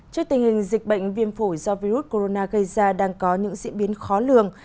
trước tình hình dịch bệnh viêm phổi do virus corona gây ra đang có những diễn biến khó lường